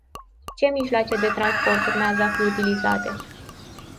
Ce mijloace de transport urmează a fi utilizate?